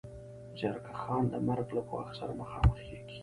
زیارکښان د مرګ له ګواښ سره مخامخ کېږي